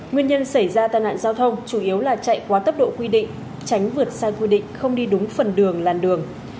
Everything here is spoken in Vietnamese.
nguyên nhân xảy ra tai nạn giao thông chủ yếu là chạy quá tốc độ quy định tránh vượt sai quy định không đi đúng phần đường làn đường